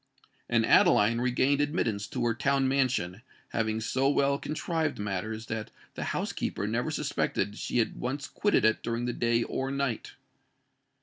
And Adeline regained admittance to her town mansion, having so well contrived matters that the housekeeper never suspected she had once quitted it during the day or night.